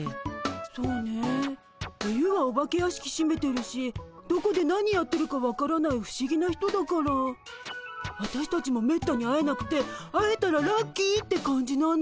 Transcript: そうね冬はお化け屋敷しめてるしどこで何やってるか分からない不思議な人だからあたしたちもめったに会えなくて会えたらラッキーって感じなの。